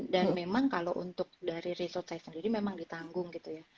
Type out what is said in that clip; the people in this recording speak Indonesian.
dan memang kalau untuk dari result saya sendiri memang ditanggung gitu ya